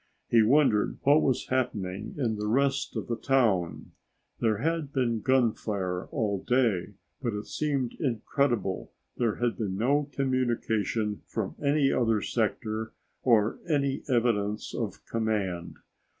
He wondered what was happening in the rest of the town. There had been gunfire all day, but it seemed incredible there had been no communication from any other sector or any evidence of command.